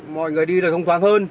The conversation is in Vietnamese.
mọi người đi được không thoáng hơn